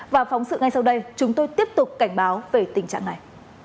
và phóng sự ngay sau đây chúng tôi tiếp tục cảnh báo về tình trạng này